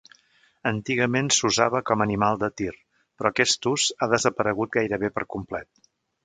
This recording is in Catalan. Antigament s’usava com a animal de tir, però aquest ús ha desaparegut gairebé per complet.